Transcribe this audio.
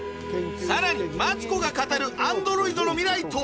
さらにマツコが語るアンドロイドの未来とは？